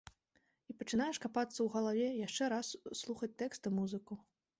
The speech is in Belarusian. І пачынаеш капацца ў галаве, яшчэ раз слухаць тэкст і музыку.